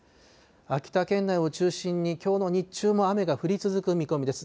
秋田県内を中心にきょうの日中も雨が降り続く見込みです。